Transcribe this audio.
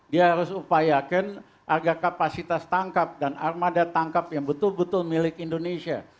dia harus upayakan agar kapasitas tangkap dan armada tangkap yang betul betul milik indonesia